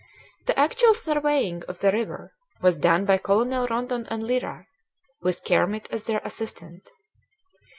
The actual surveying of the river was done by Colonel Rondon and Lyra, with Kermit as their assistant.